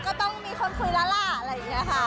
ก็ต้องมีคนคุยแล้วล่ะอะไรอย่างนี้ค่ะ